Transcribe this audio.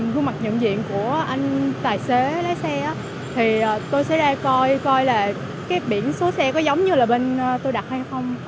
với mặt nhận diện của anh tài xế lái xe thì tôi sẽ ra coi là biển số xe có giống như là bên tôi đặt hay không